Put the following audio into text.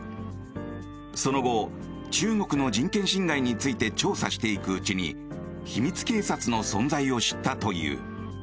その後、中国の人権侵害について調査していくうちに秘密警察の存在を知ったという。